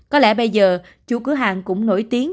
có lẽ bây giờ chủ cửa hàng cũng nổi tiếng